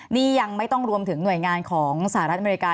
นี่ยังไม่ต้องรวมถึงหน่วยงานของสหรัฐอเมริกา